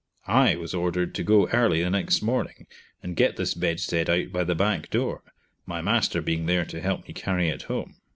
I was ordered to go early the next morning and get this bedstead out by the back door, my master being there to help me carry it home.